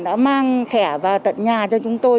đã mang thẻ vào tận nhà cho chúng tôi